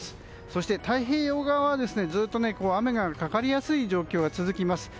そして、太平洋側は、ずっと雨がかかりやすい状況が続きます。